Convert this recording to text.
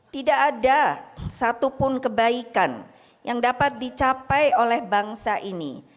tidak ada satupun kebaikan yang dapat dicapai oleh bangsa ini